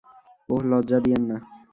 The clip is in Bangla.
ওহ লজ্জা দিয়েন না।